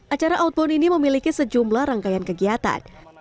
acara outbound ini memiliki sejumlah rangkaian kegiatan